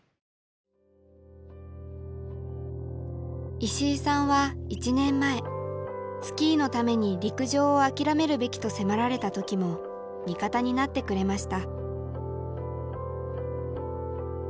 石井さんは１年前スキーのために陸上を諦めるべきと迫られた時も味方になってくれました。